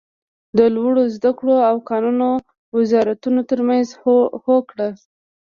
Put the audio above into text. د لوړو ذده کړو او کانونو وزارتونو تر مینځ هوکړه